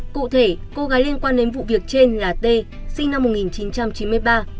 cụ thể cô gái liên quan đến vụ việc trên là t sinh năm một nghìn chín trăm chín mươi ba